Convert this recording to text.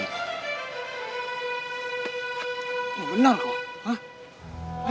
ini benar kok hah